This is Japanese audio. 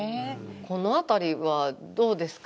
この辺りはどうですか？